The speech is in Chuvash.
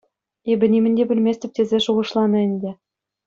Эпӗ нимӗн те пӗлместӗп тесе шухӑшланӑ ӗнтӗ.